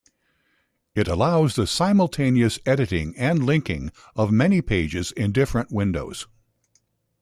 It allows the simultaneous editing and linking of many pages in different windows.